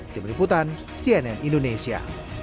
tim liputan cnn indonesia